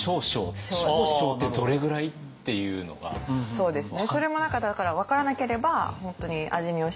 そうですね。